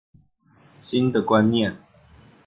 新的觀念